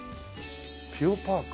ピオパーク。